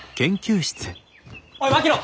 おい槙野！